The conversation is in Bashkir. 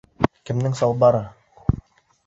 Кемдең салбары?!